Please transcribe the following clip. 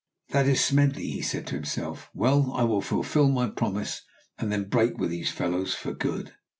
"That is Smedley," he said to himself. "Well, I will fulfil my promise, and then break with these fellows for good."